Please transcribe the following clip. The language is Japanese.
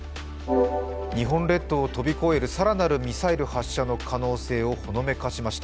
日本列島を飛び越える更なるミサイル発射の可能性をほのめかしました。